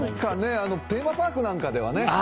テーマパークなんかではね。